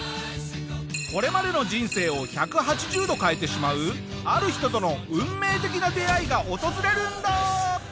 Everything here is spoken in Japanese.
これまでの人生を１８０度変えてしまうある人との運命的な出会いが訪れるんだ！